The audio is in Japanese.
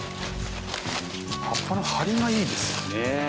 葉っぱの張りがいいですね。